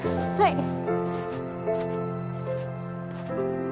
はい。